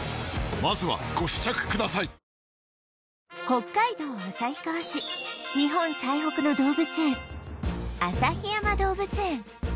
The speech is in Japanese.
北海道旭川市日本最北の動物園旭山動物園